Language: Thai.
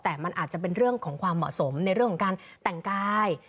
แต่มันอาจจะเป็นเรื่องของความเหมาะสมในเรื่องของการแต่งกาย